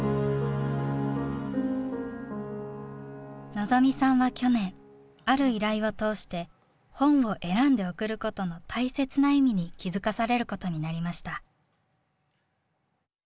望未さんは去年ある依頼を通して本を選んで送ることの大切な意味に気付かされることになりました。